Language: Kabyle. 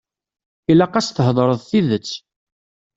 Ilaq ad as-theḍṛeḍ tidet.